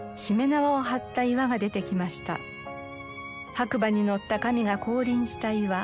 白馬に乗った神が降臨した岩。